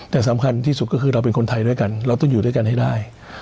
แต่สำคัญที่สุดก็คือเราเป็นคนไทยด้วยกันเราต้องอยู่ด้วยกันให้ได้